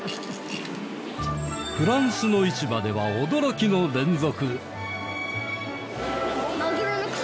フランスの市場では驚きの連続。